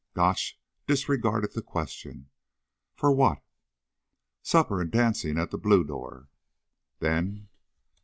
Gotch disregarded the question. "For what?" "Supper and dancing at the Blue Door." "Then?"